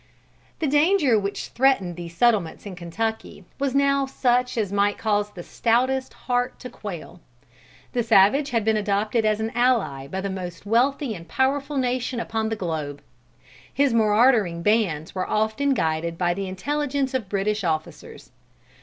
The danger which threatened these settlements in Kentucky was now such as might cause the stoutest heart to quail. The savage had been adopted as an ally by the most wealthy and powerful nation upon the globe. His marauding bands were often guided by the intelligence of British officers.